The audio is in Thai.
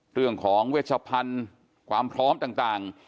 เรื่องของเวชพันธุ์ความพร้อมต่าง